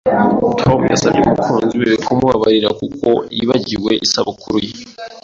Tom yasabye umukunzi we kumubabarira kuko yibagiwe isabukuru ye.